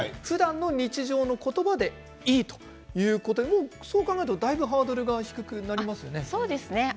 日常の言葉でいいということでそう考えるとハードルが低くなりますね。